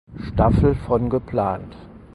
Staffel von geplant.